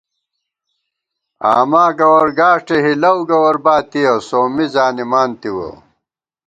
آما گوَرگاݭٹے ہِلَؤ گوَر باتِیَہ ، سومّی زانِمان تِوَہ